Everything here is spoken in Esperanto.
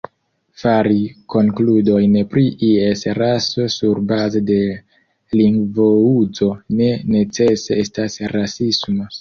Fari konkludojn pri ies raso surbaze de lingvouzo ne necese estas rasisma.